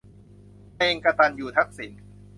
เพลง กตัญญูทักษิณ